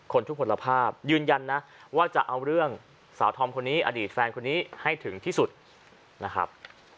ทุกคนผลภาพยืนยันนะว่าจะเอาเรื่องสาวธอมคนนี้อดีตแฟนคนนี้ให้ถึงที่สุดนะครับ